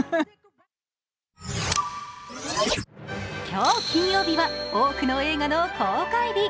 今日金曜日は多くの映画の公開日。